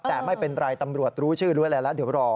แต่ไม่เป็นไรตำรวจรู้ชื่อรู้อะไรแล้วเดี๋ยวรอ